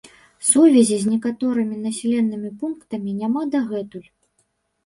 Сувязі з некаторымі населенымі пунктамі няма дагэтуль.